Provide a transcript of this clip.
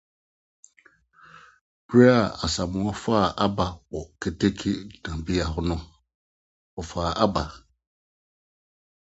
Bere a Asamoah faa Aba wɔ keteke gyinabea hɔ no, ɔfaa Aba.